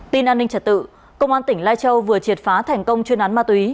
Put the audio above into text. tin an ninh trật tự công an tỉnh lai châu vừa triệt phá thành công chuyên án ma túy